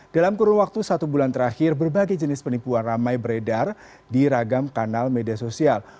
dalam kurun waktu satu bulan terakhir berbagai jenis penipuan ramai beredar di ragam kanal media sosial